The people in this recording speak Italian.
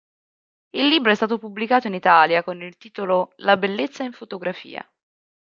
Il libro è stato pubblicato in Italia con il titolo "La bellezza in fotografia.